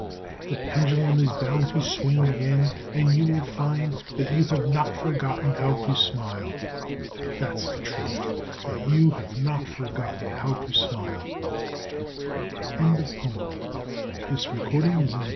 The pendulum is bound to swing again and you will find That you have not forgotten how to smile. (That's the truth!) That you have not forgotten how to smile. Everard Jack Appleton. From "The Quiet Courage."